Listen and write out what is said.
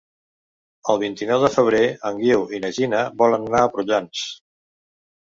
El vint-i-nou de febrer en Guiu i na Gina volen anar a Prullans.